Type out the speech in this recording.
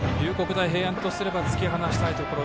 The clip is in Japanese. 大平安とすれば突き放したいところ。